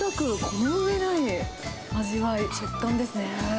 この上ない味わい、食感ですね。